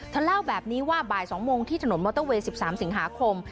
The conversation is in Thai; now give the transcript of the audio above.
เล่าแบบนี้ว่าบ่าย๒โมงที่ถนนมอเตอร์เวย์๑๓สิงหาคม